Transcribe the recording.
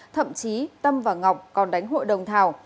thậm chí tâm và ngọc còn đánh hội đồng thảo